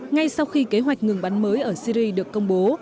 ngay sau khi kế hoạch ngừng bắn mới ở syri được công bố